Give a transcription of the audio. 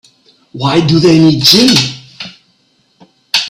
Why do they need gin?